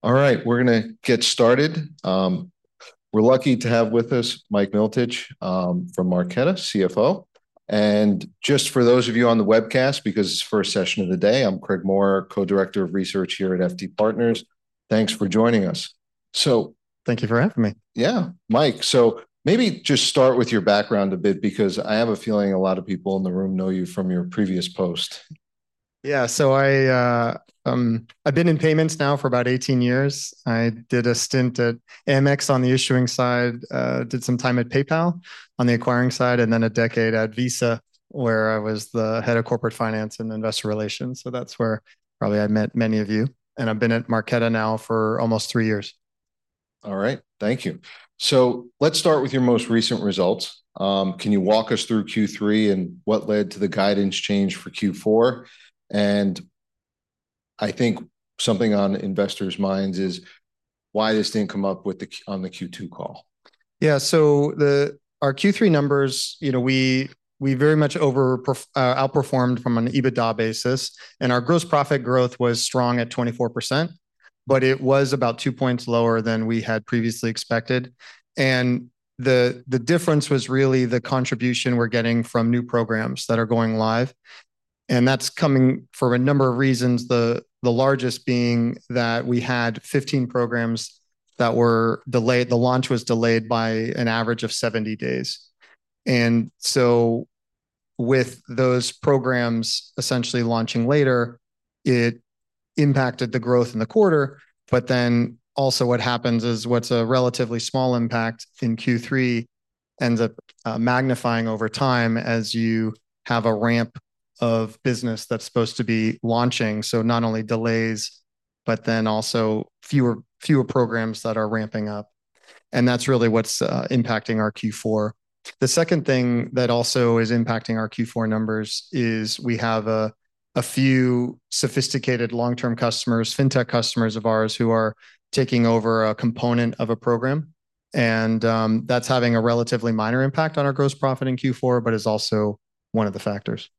All right, we're going to get started. We're lucky to have with us Mike Milotich from Marqeta, CFO. And just for those of you on the webcast, because it's the first session of the day, I'm Craig Maurer, Co-Director of Research here at FT Partners. Thanks for joining us. Thank you for having me. Yeah, Mike. So maybe just start with your background a bit, because I have a feeling a lot of people in the room know you from your previous post. Yeah, so I've been in payments now for about 18 years. I did a stint at Amex on the issuing side, did some time at PayPal on the acquiring side, and then a decade at Visa, where I was the head of corporate finance and investor relations. So that's where probably I met many of you, and I've been at Marqeta now for almost three years. All right, thank you. So let's start with your most recent results. Can you walk us through Q3 and what led to the guidance change for Q4? And I think something on investors' minds is, why this didn't come up on the Q2 call? Yeah, so our Q3 numbers, we very much outperformed from an EBITDA basis. And our gross profit growth was strong at 24%, but it was about two points lower than we had previously expected. And the difference was really the contribution we're getting from new programs that are going live. And that's coming for a number of reasons, the largest being that we had 15 programs that were delayed. The launch was delayed by an average of 70 days. And so with those programs essentially launching later, it impacted the growth in the quarter. But then also what happens is what's a relatively small impact in Q3 ends up magnifying over time as you have a ramp of business that's supposed to be launching. So not only delays, but then also fewer programs that are ramping up. And that's really what's impacting our Q4. The second thing that also is impacting our Q4 numbers is we have a few sophisticated long-term customers, fintech customers of ours, who are taking over a component of a program, and that's having a relatively minor impact on our gross profit in Q4, but is also one of the factors.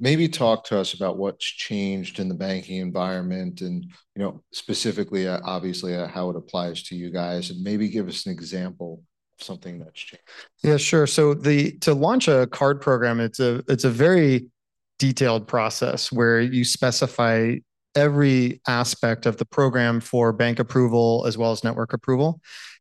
Okay. Maybe talk to us about what's changed in the banking environment and, specifically, obviously, how it applies to you guys, and maybe give us an example of something that's changed. Yeah, sure. So to launch a card program, it's a very detailed process where you specify every aspect of the program for bank approval as well as network approval.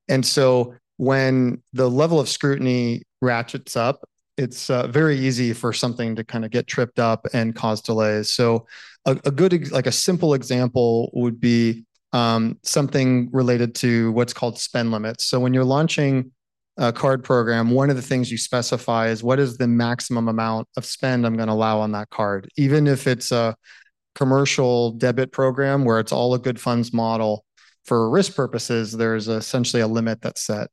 And so when the level of scrutiny ratchets up, it's very easy for something to kind of get tripped up and cause delays. So a simple example would be something related to what's called spend limits. So when you're launching a card program, one of the things you specify is, what is the maximum amount of spend I'm going to allow on that card? Even if it's a commercial debit program where it's all a good funds model, for risk purposes, there's essentially a limit that's set.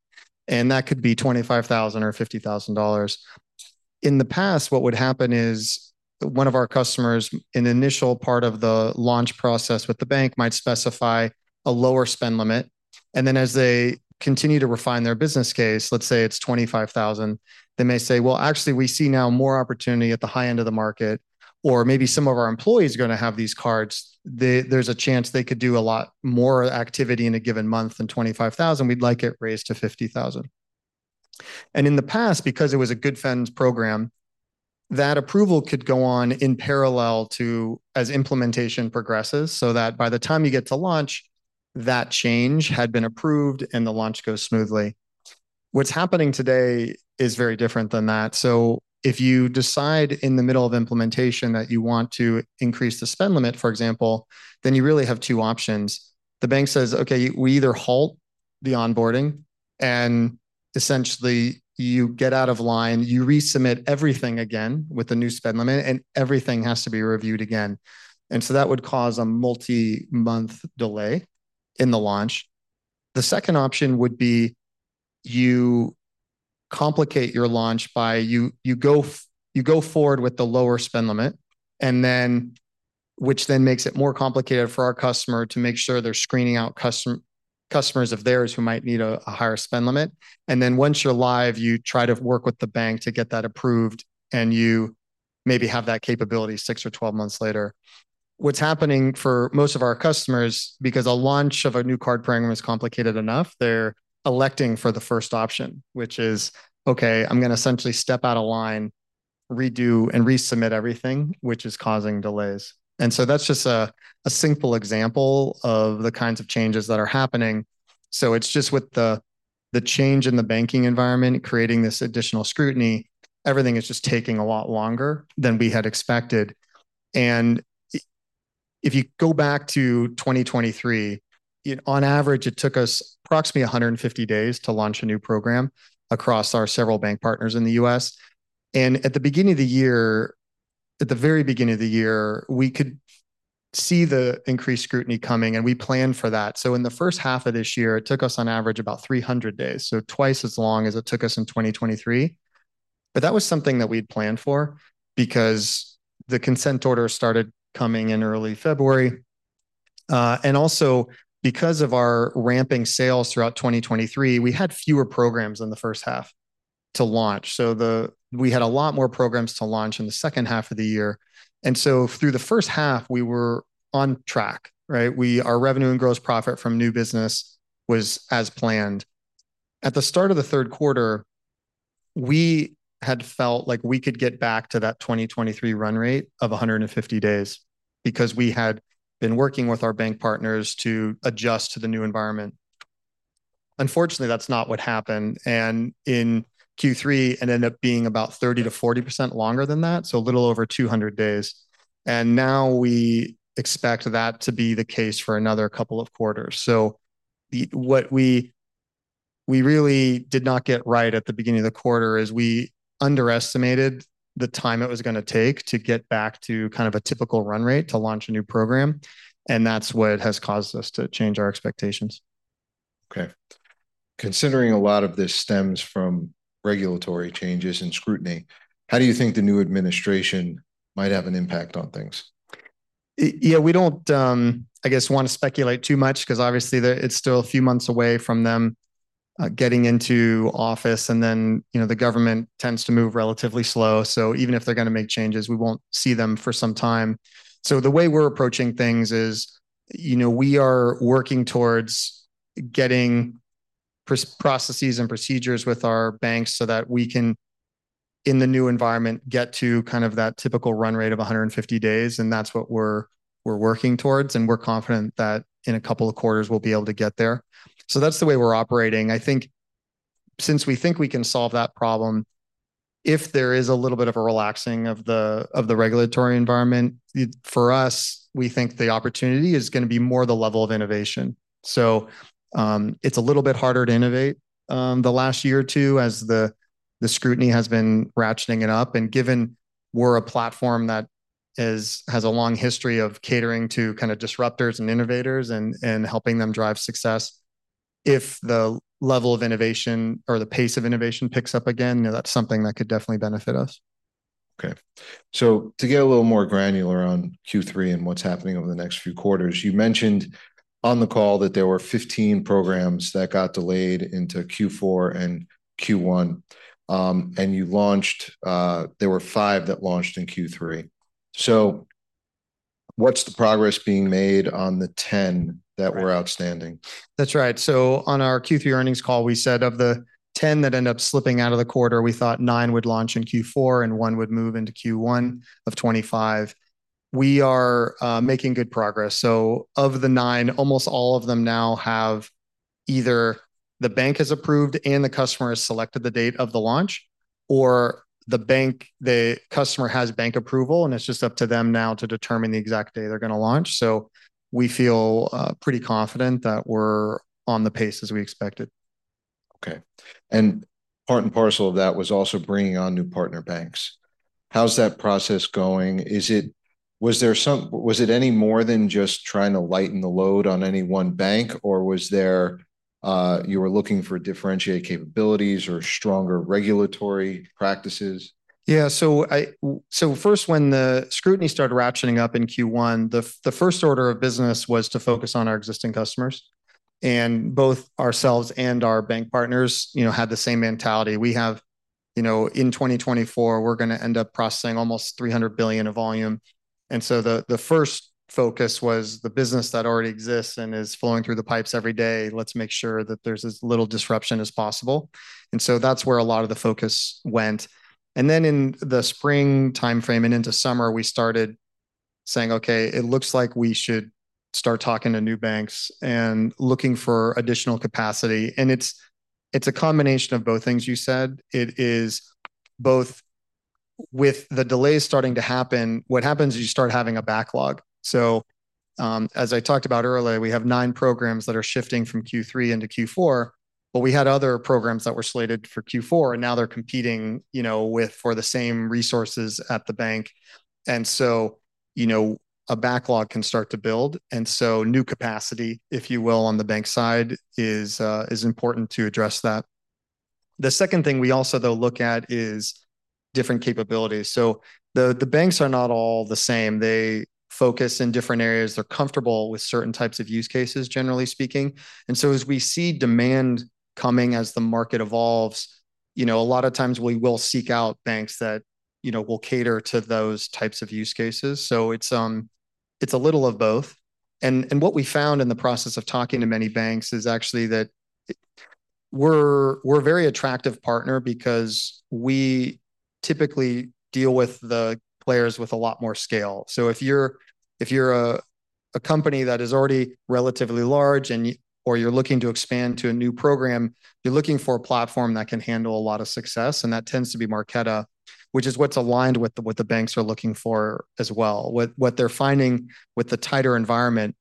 And that could be $25,000 or $50,000. In the past, what would happen is one of our customers, in the initial part of the launch process with the bank, might specify a lower spend limit. And then as they continue to refine their business case, let's say it's $25,000, they may say, well, actually, we see now more opportunity at the high end of the market, or maybe some of our employees are going to have these cards. There's a chance they could do a lot more activity in a given month than $25,000. We'd like it raised to $50,000. And in the past, because it was a good funds program, that approval could go on in parallel to as implementation progresses so that by the time you get to launch, that change had been approved and the launch goes smoothly. What's happening today is very different than that. If you decide in the middle of implementation that you want to increase the spend limit, for example, then you really have two options. The bank says, okay, we either halt the onboarding and essentially you get out of line, you resubmit everything again with a new spend limit and everything has to be reviewed again. That would cause a multi-month delay in the launch. The second option would be you complicate your launch by you go forward with the lower spend limit, which then makes it more complicated for our customer to make sure they're screening out customers of theirs who might need a higher spend limit. Once you're live, you try to work with the bank to get that approved and you maybe have that capability six or twelve months later. What's happening for most of our customers, because a launch of a new card program is complicated enough, they're electing for the first option, which is, okay, I'm going to essentially step out of line, redo and resubmit everything, which is causing delays. And so that's just a simple example of the kinds of changes that are happening. So it's just with the change in the banking environment, creating this additional scrutiny, everything is just taking a lot longer than we had expected. And if you go back to 2023, on average, it took us approximately 150 days to launch a new program across our several bank partners in the U.S. And at the beginning of the year, at the very beginning of the year, we could see the increased scrutiny coming and we planned for that. So in the first half of this year, it took us on average about 300 days, so twice as long as it took us in 2023. But that was something that we'd planned for because the consent order started coming in early February. And also because of our ramping sales throughout 2023, we had fewer programs in the first half to launch. So we had a lot more programs to launch in the second half of the year. And so through the first half, we were on track. Our revenue and gross profit from new business was as planned. At the start of the third quarter, we had felt like we could get back to that 2023 run rate of 150 days because we had been working with our bank partners to adjust to the new environment. Unfortunately, that's not what happened. And in Q3, it ended up being about 30%-40% longer than that, so a little over 200 days. And now we expect that to be the case for another couple of quarters. So what we really did not get right at the beginning of the quarter is we underestimated the time it was going to take to get back to kind of a typical run rate to launch a new program. And that's what has caused us to change our expectations. Okay. Considering a lot of this stems from regulatory changes and scrutiny, how do you think the new administration might have an impact on things? Yeah, we don't, I guess, want to speculate too much because obviously it's still a few months away from them getting into office. And then the government tends to move relatively slow. So even if they're going to make changes, we won't see them for some time. So the way we're approaching things is we are working towards getting processes and procedures with our banks so that we can, in the new environment, get to kind of that typical run rate of 150 days. And that's what we're working towards. And we're confident that in a couple of quarters, we'll be able to get there. So that's the way we're operating. I think since we think we can solve that problem, if there is a little bit of a relaxing of the regulatory environment, for us, we think the opportunity is going to be more the level of innovation. So it's a little bit harder to innovate the last year or two as the scrutiny has been ratcheting it up. And given we're a platform that has a long history of catering to kind of disruptors and innovators and helping them drive success, if the level of innovation or the pace of innovation picks up again, that's something that could definitely benefit us. Okay. So to get a little more granular on Q3 and what's happening over the next few quarters, you mentioned on the call that there were 15 programs that got delayed into Q4 and Q1. And there were five that launched in Q3. So what's the progress being made on the 10 that were outstanding? That's right. So on our Q3 earnings call, we said of the 10 that end up slipping out of the quarter, we thought nine would launch in Q4 and one would move into Q1 of 2025. We are making good progress. So of the nine, almost all of them now have either the bank has approved and the customer has selected the date of the launch, or the customer has bank approval, and it's just up to them now to determine the exact day they're going to launch. So we feel pretty confident that we're on the pace as we expected. Okay. And part and parcel of that was also bringing on new partner banks. How's that process going? Was it any more than just trying to lighten the load on any one bank, or you were looking for differentiated capabilities or stronger regulatory practices? Yeah. So first, when the scrutiny started ratcheting up in Q1, the first order of business was to focus on our existing customers. And both ourselves and our bank partners had the same mentality. We have, in 2024, we're going to end up processing almost $300 billion of volume. And so the first focus was the business that already exists and is flowing through the pipes every day. Let's make sure that there's as little disruption as possible. And so that's where a lot of the focus went. And then in the spring timeframe and into summer, we started saying, okay, it looks like we should start talking to new banks and looking for additional capacity. And it's a combination of both things you said. It is both with the delays starting to happen, what happens is you start having a backlog. So as I talked about earlier, we have nine programs that are shifting from Q3 into Q4, but we had other programs that were slated for Q4, and now they're competing for the same resources at the bank. And so a backlog can start to build. And so new capacity, if you will, on the bank side is important to address that. The second thing we also, though, look at is different capabilities. So the banks are not all the same. They focus in different areas. They're comfortable with certain types of use cases, generally speaking. And so as we see demand coming as the market evolves, a lot of times we will seek out banks that will cater to those types of use cases. So it's a little of both. What we found in the process of talking to many banks is actually that we're a very attractive partner because we typically deal with the players with a lot more scale. So if you're a company that is already relatively large or you're looking to expand to a new program, you're looking for a platform that can handle a lot of success. And that tends to be Marqeta, which is what's aligned with what the banks are looking for as well. What they're finding with the tighter environment,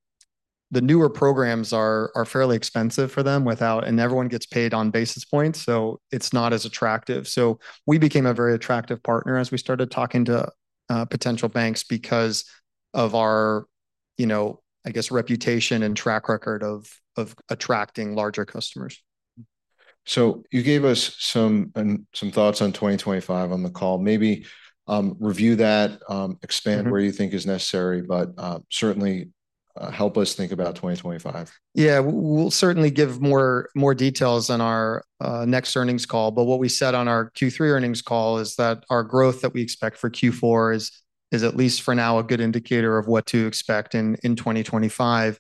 the newer programs are fairly expensive for them without, and everyone gets paid on basis points. So it's not as attractive. So we became a very attractive partner as we started talking to potential banks because of our, I guess, reputation and track record of attracting larger customers. You gave us some thoughts on 2025 on the call. Maybe review that, expand where you think is necessary, but certainly help us think about 2025. Yeah, we'll certainly give more details on our next earnings call. But what we said on our Q3 earnings call is that our growth that we expect for Q4 is at least for now a good indicator of what to expect in 2025.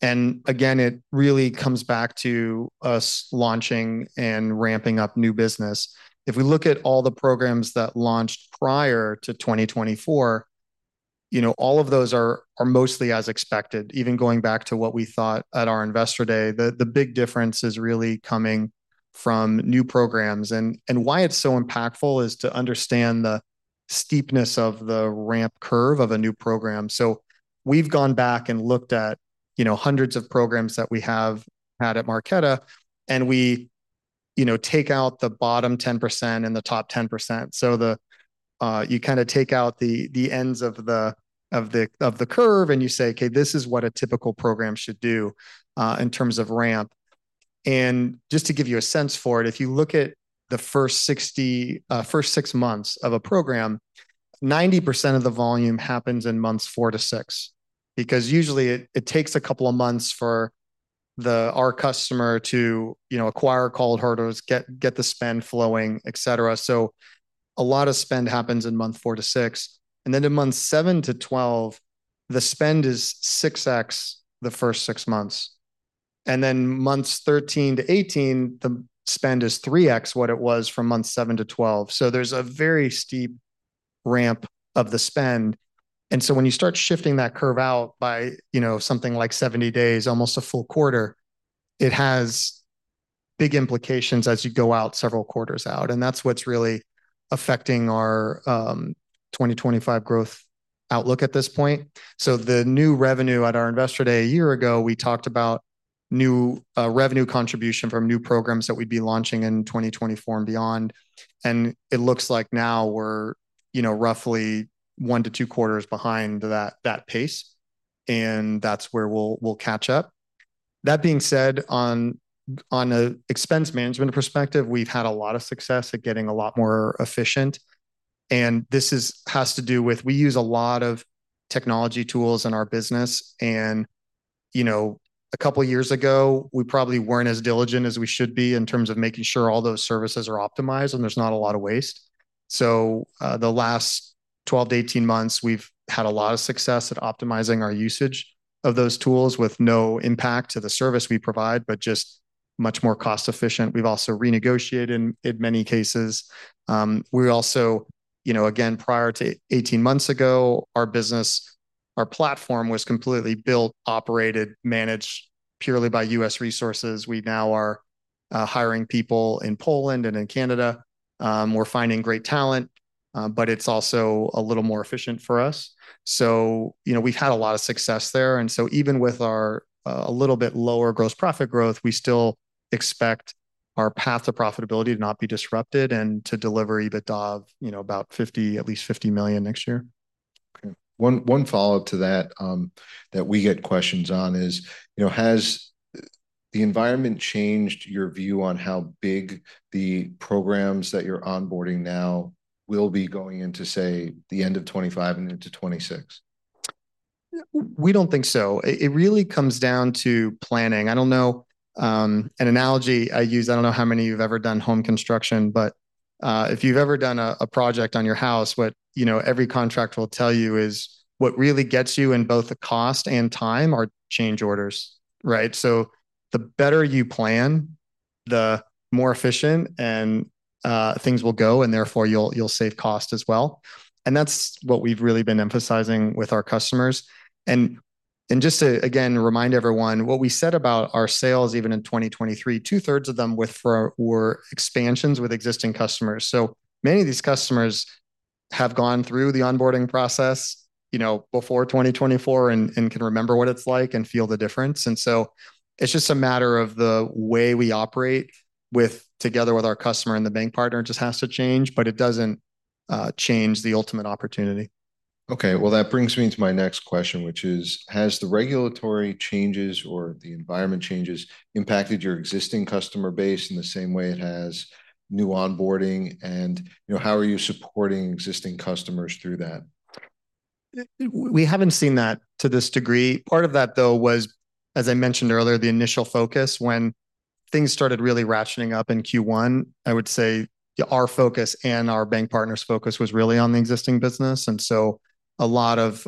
And again, it really comes back to us launching and ramping up new business. If we look at all the programs that launched prior to 2024, all of those are mostly as expected, even going back to what we thought at our investor day. The big difference is really coming from new programs. And why it's so impactful is to understand the steepness of the ramp curve of a new program. So we've gone back and looked at hundreds of programs that we have had at Marqeta, and we take out the bottom 10% and the top 10%. So you kind of take out the ends of the curve and you say, okay, this is what a typical program should do in terms of ramp. And just to give you a sense for it, if you look at the first six months of a program, 90% of the volume happens in months four to six because usually it takes a couple of months for our customer to acquire cardholders, get the spend flowing, etc. So a lot of spend happens in month four to six. And then in months seven to 12, the spend is six X the first six months. And then months 13 to 18, the spend is three X what it was from months seven to 12. So there's a very steep ramp of the spend. And so when you start shifting that curve out by something like 70 days, almost a full quarter, it has big implications as you go out several quarters out. And that's what's really affecting our 2025 growth outlook at this point. So the new revenue at our investor day a year ago, we talked about new revenue contribution from new programs that we'd be launching in 2024 and beyond. And it looks like now we're roughly one to two quarters behind that pace. And that's where we'll catch up. That being said, on an expense management perspective, we've had a lot of success at getting a lot more efficient. And this has to do with we use a lot of technology tools in our business. And a couple of years ago, we probably weren't as diligent as we should be in terms of making sure all those services are optimized and there's not a lot of waste. So the last 12 to 18 months, we've had a lot of success at optimizing our usage of those tools with no impact to the service we provide, but just much more cost-efficient. We've also renegotiated in many cases. We also, again, prior to 18 months ago, our business, our platform was completely built, operated, managed purely by U.S. resources. We now are hiring people in Poland and in Canada. We're finding great talent, but it's also a little more efficient for us. So we've had a lot of success there. And so even with our a little bit lower gross profit growth, we still expect our path to profitability to not be disrupted and to deliver EBITDA of about $50 million, at least $50 million next year. Okay. One follow-up to that that we get questions on is, has the environment changed your view on how big the programs that you're onboarding now will be going into, say, the end of 2025 and into 2026? We don't think so. It really comes down to planning. I don't know. An analogy I use, I don't know how many of you have ever done home construction, but if you've ever done a project on your house, what every contract will tell you is what really gets you in both the cost and time are change orders, right? So the better you plan, the more efficient and things will go, and therefore you'll save cost as well. And that's what we've really been emphasizing with our customers. And just to, again, remind everyone, what we said about our sales, even in 2023, two-thirds of them were expansions with existing customers. So many of these customers have gone through the onboarding process before 2024 and can remember what it's like and feel the difference. And so it's just a matter of the way we operate together with our customer and the bank partner just has to change, but it doesn't change the ultimate opportunity. Okay. Well, that brings me to my next question, which is, has the regulatory changes or the environment changes impacted your existing customer base in the same way it has new onboarding? And how are you supporting existing customers through that? We haven't seen that to this degree. Part of that, though, was, as I mentioned earlier, the initial focus. When things started really ratcheting up in Q1, I would say our focus and our bank partner's focus was really on the existing business, and so a lot of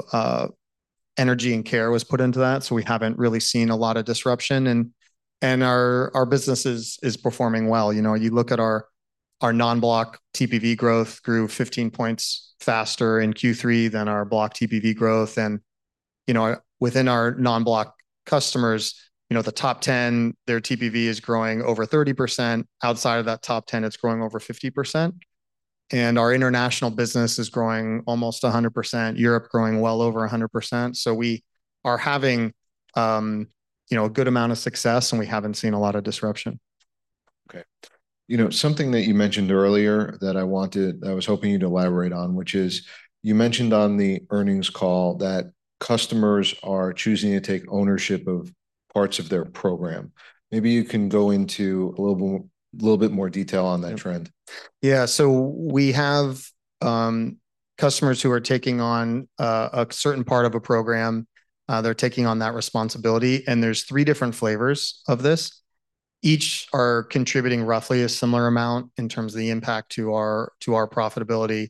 energy and care was put into that, so we haven't really seen a lot of disruption, and our business is performing well. You look at our non-block TPV growth grew 15 points faster in Q3 than our block TPV growth, and within our non-block customers, the top 10, their TPV is growing over 30%. Outside of that top 10, it's growing over 50%, and our international business is growing almost 100%, Europe growing well over 100%, so we are having a good amount of success, and we haven't seen a lot of disruption. Okay. Something that you mentioned earlier that I was hoping you to elaborate on, which is you mentioned on the earnings call that customers are choosing to take ownership of parts of their program. Maybe you can go into a little bit more detail on that trend. Yeah. So we have customers who are taking on a certain part of a program. They're taking on that responsibility. And there's three different flavors of this. Each are contributing roughly a similar amount in terms of the impact to our profitability.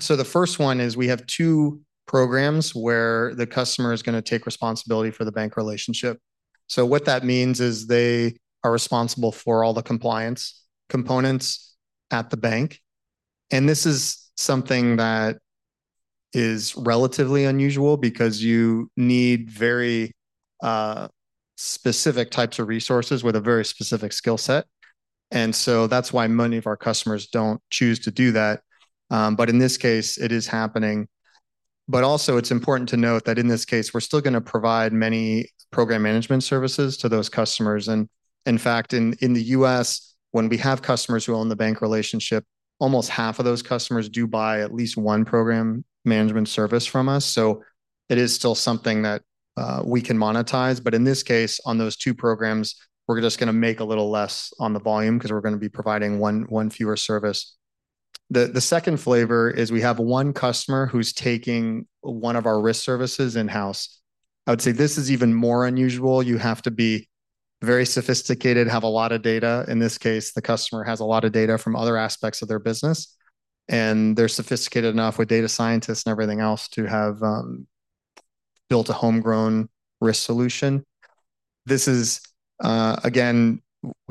So the first one is we have two programs where the customer is going to take responsibility for the bank relationship. So what that means is they are responsible for all the compliance components at the bank. And this is something that is relatively unusual because you need very specific types of resources with a very specific skill set. And so that's why many of our customers don't choose to do that. But in this case, it is happening. But also, it's important to note that in this case, we're still going to provide many program management services to those customers. And in fact, in the U.S., when we have customers who own the bank relationship, almost half of those customers do buy at least one program management service from us. So it is still something that we can monetize. But in this case, on those two programs, we're just going to make a little less on the volume because we're going to be providing one fewer service. The second flavor is we have one customer who's taking one of our risk services in-house. I would say this is even more unusual. You have to be very sophisticated, have a lot of data. In this case, the customer has a lot of data from other aspects of their business. And they're sophisticated enough with data scientists and everything else to have built a homegrown risk solution. This is, again,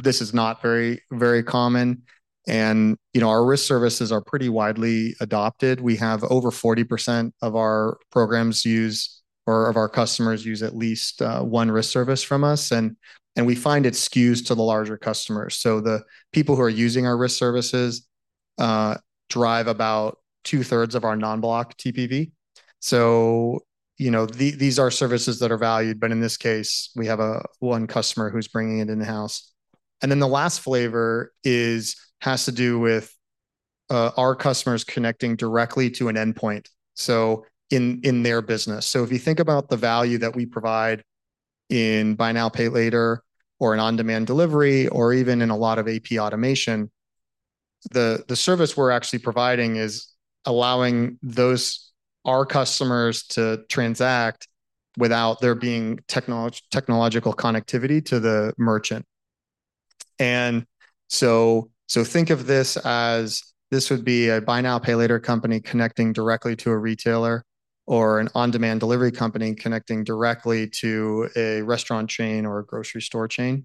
this is not very common. Our risk services are pretty widely adopted. We have over 40% of our programs or customers use at least one risk service from us. We find it skews to the larger customers. The people who are using our risk services drive about two-thirds of our non-Block TPV. These are services that are valued, but in this case, we have one customer who's bringing it in-house. Then the last flavor has to do with our customers connecting directly to an endpoint in their business. If you think about the value that we provide in buy now, pay later or an on-demand delivery or even in a lot of AP automation, the service we're actually providing is allowing our customers to transact without there being technological connectivity to the merchant. Think of this as this would be a buy now, pay later company connecting directly to a retailer or an on-demand delivery company connecting directly to a restaurant chain or a grocery store chain.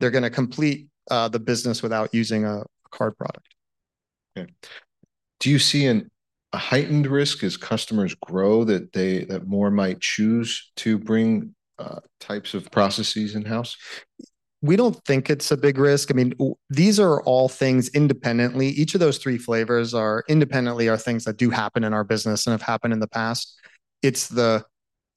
They're going to complete the business without using a card product. Okay. Do you see a heightened risk as customers grow that more might choose to bring types of processes in-house? We don't think it's a big risk. I mean, these are all things independently. Each of those three flavors are independently things that do happen in our business and have happened in the past. It's the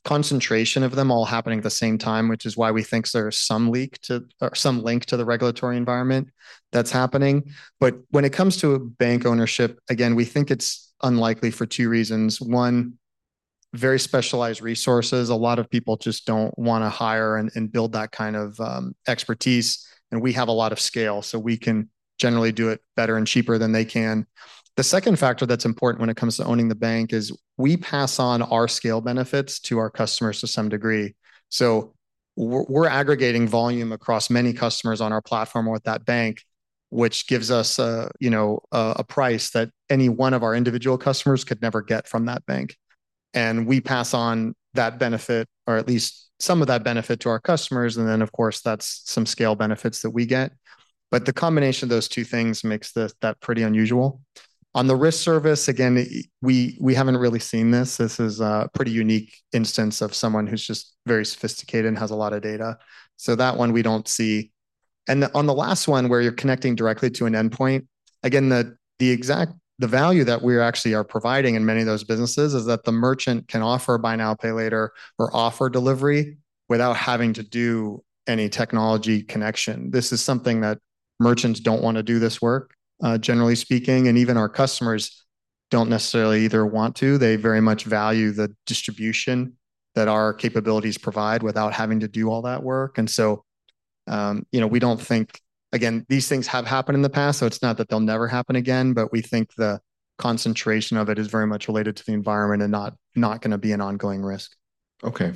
concentration of them all happening at the same time, which is why we think there's some link to the regulatory environment that's happening. But when it comes to bank ownership, again, we think it's unlikely for two reasons. One, very specialized resources. A lot of people just don't want to hire and build that kind of expertise. And we have a lot of scale, so we can generally do it better and cheaper than they can. The second factor that's important when it comes to owning the bank is we pass on our scale benefits to our customers to some degree. So we're aggregating volume across many customers on our platform with that bank, which gives us a price that any one of our individual customers could never get from that bank. And we pass on that benefit or at least some of that benefit to our customers. And then, of course, that's some scale benefits that we get. But the combination of those two things makes that pretty unusual. On the risk service, again, we haven't really seen this. This is a pretty unique instance of someone who's just very sophisticated and has a lot of data. So that one we don't see. And on the last one where you're connecting directly to an endpoint, again, the value that we actually are providing in many of those businesses is that the merchant can offer buy now, pay later or offer delivery without having to do any technology connection. This is something that merchants don't want to do this work, generally speaking, and even our customers don't necessarily either want to. They very much value the distribution that our capabilities provide without having to do all that work, and so we don't think, again, these things have happened in the past, so it's not that they'll never happen again, but we think the concentration of it is very much related to the environment and not going to be an ongoing risk. Okay.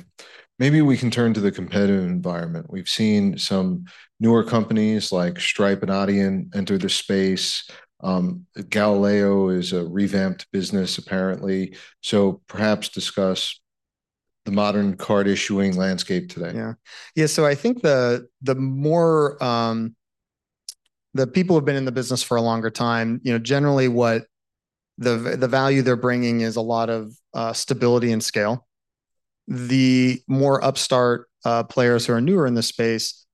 Maybe we can turn to the competitive environment. We've seen some newer companies like Stripe and Adyen enter the space. Galileo is a revamped business, apparently. So perhaps discuss the modern card issuing landscape today. Yeah. Yeah. So I think the more the people who have been in the business for a longer time, generally what the value they're bringing is a lot of stability and scale. The more upstart players who are newer in the space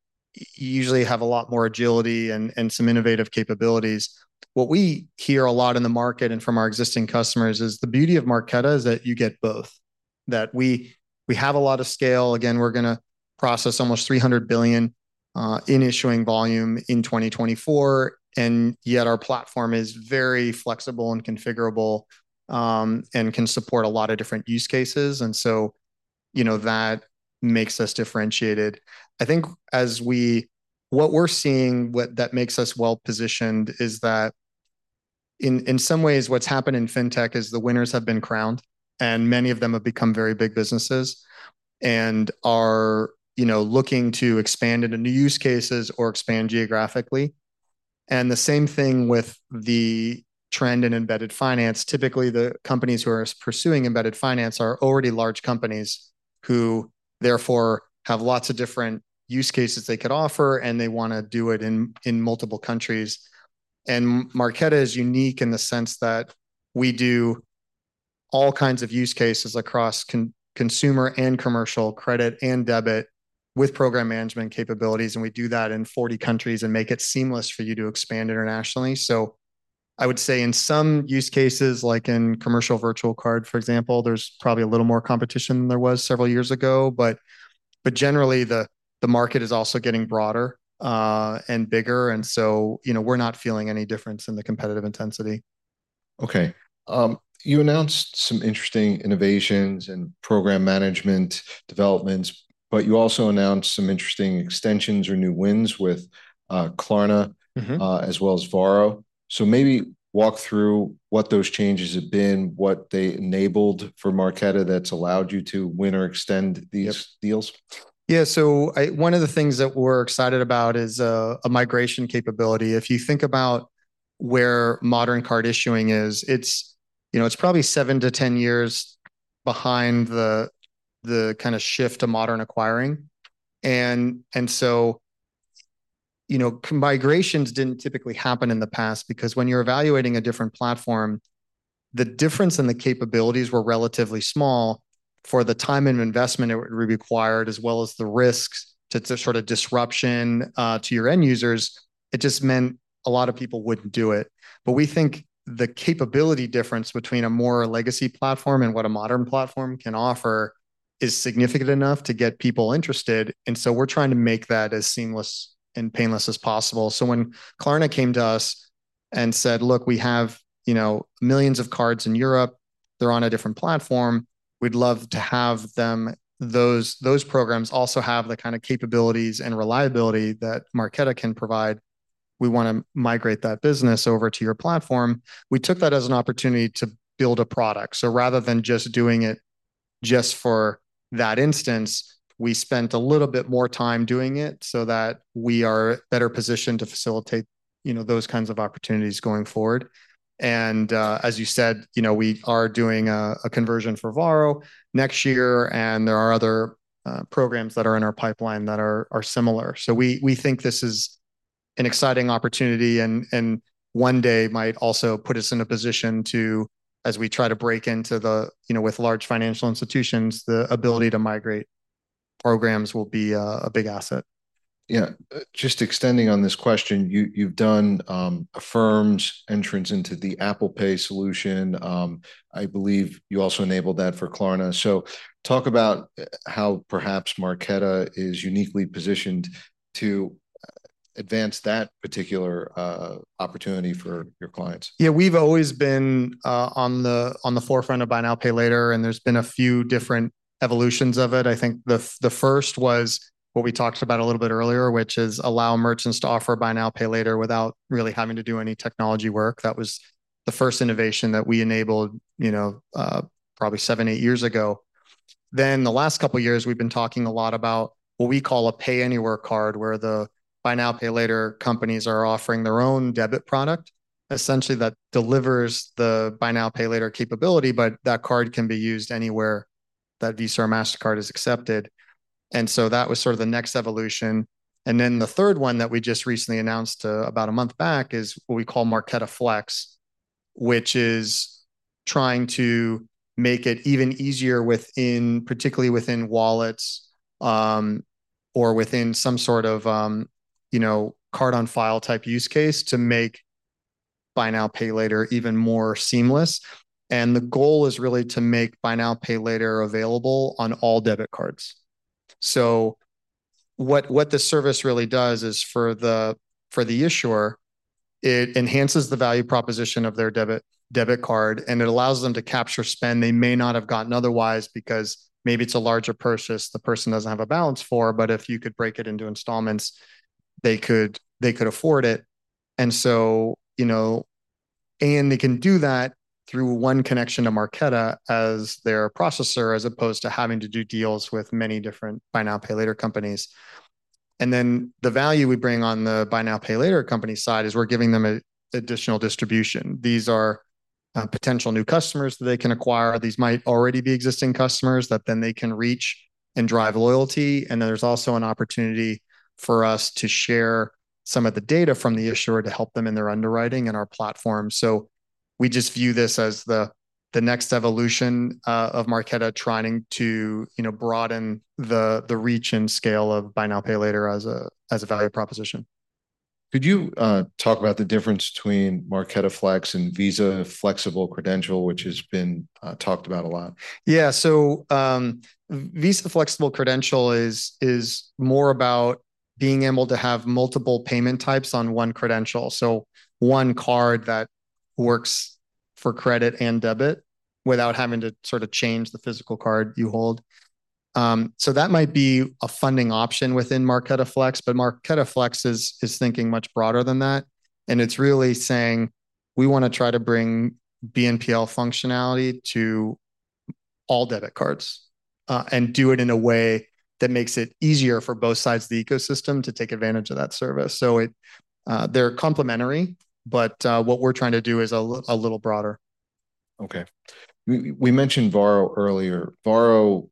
usually have a lot more agility and some innovative capabilities. What we hear a lot in the market and from our existing customers is the beauty of Marqeta is that you get both. That we have a lot of scale. Again, we're going to process almost $300 billion in issuing volume in 2024. And yet our platform is very flexible and configurable and can support a lot of different use cases. And so that makes us differentiated. I think what we're seeing that makes us well positioned is that in some ways what's happened in fintech is the winners have been crowned and many of them have become very big businesses and are looking to expand into new use cases or expand geographically, and the same thing with the trend in embedded finance. Typically, the companies who are pursuing embedded finance are already large companies who therefore have lots of different use cases they could offer and they want to do it in multiple countries, and Marqeta is unique in the sense that we do all kinds of use cases across consumer and commercial credit and debit with program management capabilities, and we do that in 40 countries and make it seamless for you to expand internationally. So I would say in some use cases, like in commercial virtual card, for example, there's probably a little more competition than there was several years ago. But generally, the market is also getting broader and bigger. And so we're not feeling any difference in the competitive intensity. Okay. You announced some interesting innovations and program management developments, but you also announced some interesting extensions or new wins with Klarna as well as Varo. So maybe walk through what those changes have been, what they enabled for Marqeta that's allowed you to win or extend these deals. Yeah. So one of the things that we're excited about is a migration capability. If you think about where modern card issuing is, it's probably 7 to 10 years behind the kind of shift to modern acquiring. And so migrations didn't typically happen in the past because when you're evaluating a different platform, the difference in the capabilities were relatively small for the time and investment it would require as well as the risks to sort of disruption to your end users. It just meant a lot of people wouldn't do it. But we think the capability difference between a more legacy platform and what a modern platform can offer is significant enough to get people interested. And so we're trying to make that as seamless and painless as possible. So when Klarna came to us and said, "Look, we have millions of cards in Europe. They're on a different platform. We'd love to have them. Those programs also have the kind of capabilities and reliability that Marqeta can provide. We want to migrate that business over to your platform. We took that as an opportunity to build a product. So rather than just doing it just for that instance, we spent a little bit more time doing it so that we are better positioned to facilitate those kinds of opportunities going forward. And as you said, we are doing a conversion for Varo next year. And there are other programs that are in our pipeline that are similar. So we think this is an exciting opportunity and one day might also put us in a position to, as we try to break into the with large financial institutions, the ability to migrate programs will be a big asset. Yeah. Just extending on this question, you've done Affirm's entrance into the Apple Pay solution. I believe you also enabled that for Klarna. So talk about how perhaps Marqeta is uniquely positioned to advance that particular opportunity for your clients. Yeah. We've always been on the forefront of buy now, pay later, and there's been a few different evolutions of it. I think the first was what we talked about a little bit earlier, which is allow merchants to offer buy now, pay later without really having to do any technology work. That was the first innovation that we enabled probably seven, eight years ago, then the last couple of years, we've been talking a lot about what we call a pay anywhere card where the buy now, pay later companies are offering their own debit product, essentially that delivers the buy now, pay later capability, but that card can be used anywhere that Visa or Mastercard is accepted, and so that was sort of the next evolution. And then the third one that we just recently announced about a month back is what we call Marqeta Flex, which is trying to make it even easier within, particularly within wallets or within some sort of card on file type use case to make buy now, pay later even more seamless. And the goal is really to make buy now, pay later available on all debit cards. So what the service really does is for the issuer, it enhances the value proposition of their debit card and it allows them to capture spend they may not have gotten otherwise because maybe it's a larger purchase the person doesn't have a balance for, but if you could break it into installments, they could afford it. They can do that through one connection to Marqeta as their processor as opposed to having to do deals with many different buy now, pay later companies. Then the value we bring on the buy now, pay later company side is we're giving them additional distribution. These are potential new customers that they can acquire. These might already be existing customers that then they can reach and drive loyalty. There's also an opportunity for us to share some of the data from the issuer to help them in their underwriting and our platform. We just view this as the next evolution of Marqeta trying to broaden the reach and scale of buy now, pay later as a value proposition. Could you talk about the difference between Marqeta Flex and Visa Flexible Credential, which has been talked about a lot? Yeah. So Visa Flexible Credential is more about being able to have multiple payment types on one credential. So one card that works for credit and debit without having to sort of change the physical card you hold. So that might be a funding option within Marqeta Flex, but Marqeta Flex is thinking much broader than that. And it's really saying, "We want to try to bring BNPL functionality to all debit cards and do it in a way that makes it easier for both sides of the ecosystem to take advantage of that service." So they're complementary, but what we're trying to do is a little broader. Okay. We mentioned Varo earlier. Varo,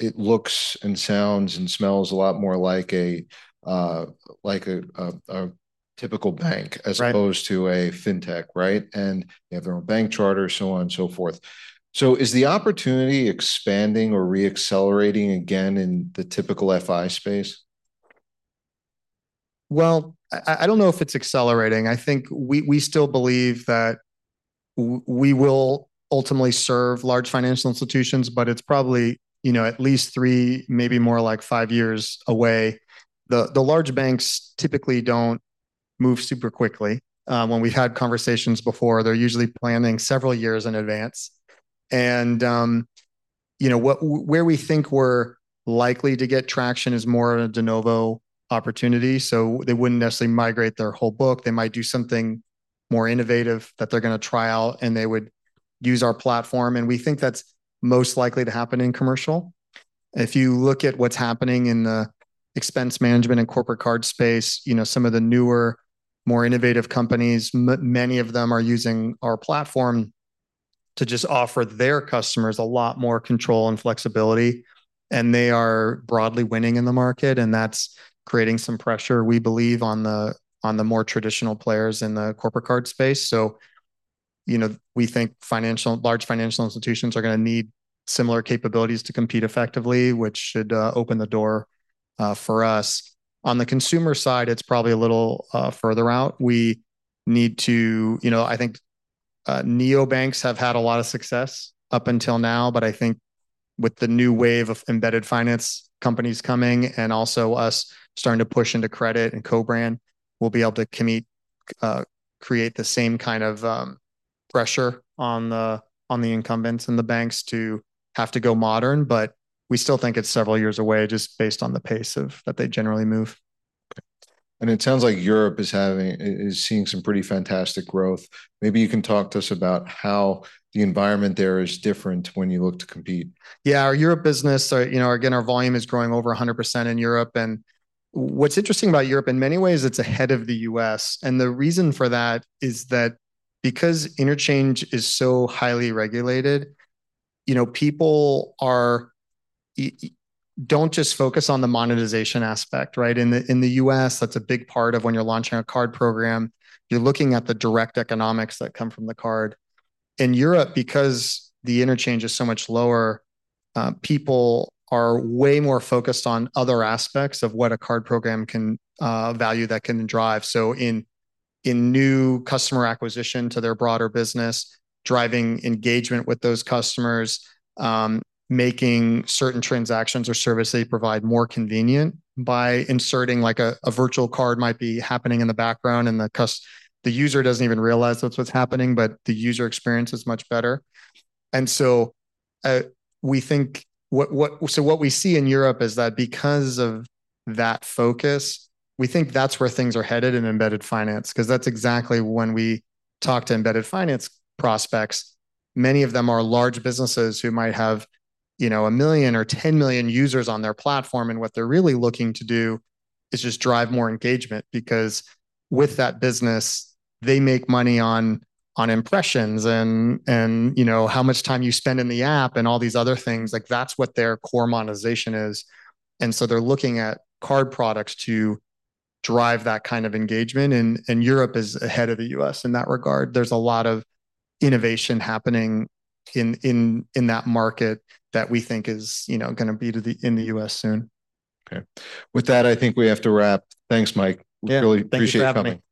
it looks and sounds and smells a lot more like a typical bank as opposed to a fintech, right? And they have their own bank charter, so on and so forth. So is the opportunity expanding or re-accelerating again in the typical FI space? I don't know if it's accelerating. I think we still believe that we will ultimately serve large financial institutions, but it's probably at least three, maybe more like five years away. The large banks typically don't move super quickly. When we've had conversations before, they're usually planning several years in advance. Where we think we're likely to get traction is more of a de novo opportunity. They wouldn't necessarily migrate their whole book. They might do something more innovative that they're going to trial and they would use our platform. We think that's most likely to happen in commercial. If you look at what's happening in the expense management and corporate card space, some of the newer, more innovative companies, many of them are using our platform to just offer their customers a lot more control and flexibility. They are broadly winning in the market. That's creating some pressure, we believe, on the more traditional players in the corporate card space. So we think large financial institutions are going to need similar capabilities to compete effectively, which should open the door for us. On the consumer side, it's probably a little further out. We need to, I think neobanks have had a lot of success up until now, but I think with the new wave of embedded finance companies coming and also us starting to push into credit and co-brand, we'll be able to create the same kind of pressure on the incumbents and the banks to have to go modern. But we still think it's several years away just based on the pace that they generally move. It sounds like Europe is seeing some pretty fantastic growth. Maybe you can talk to us about how the environment there is different when you look to compete. Yeah. Our Europe business, again, our volume is growing over 100% in Europe. And what's interesting about Europe, in many ways, it's ahead of the US. And the reason for that is that because interchange is so highly regulated, people don't just focus on the monetization aspect, right? In the US, that's a big part of when you're launching a card program, you're looking at the direct economics that come from the card. In Europe, because the interchange is so much lower, people are way more focused on other aspects of what a card program can value that can drive. So in new customer acquisition to their broader business, driving engagement with those customers, making certain transactions or services they provide more convenient by inserting a virtual card might be happening in the background and the user doesn't even realize that's what's happening, but the user experience is much better. And so we think what we see in Europe is that because of that focus, we think that's where things are headed in embedded finance because that's exactly when we talk to embedded finance prospects. Many of them are large businesses who might have a million or 10 million users on their platform. And what they're really looking to do is just drive more engagement because with that business, they make money on impressions and how much time you spend in the app and all these other things. That's what their core monetization is. And so they're looking at card products to drive that kind of engagement. And Europe is ahead of the U.S. in that regard. There's a lot of innovation happening in that market that we think is going to be in the U.S. soon. Okay. With that, I think we have to wrap. Thanks, Mike. Really appreciate coming.